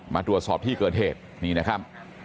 มาตรวจสอบที่เกิดเหตุนี่นะครับ